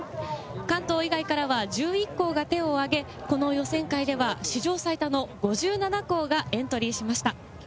関東以外からは１１校が手を挙げ、この予選会では史上最多の５７校がエントリーしました。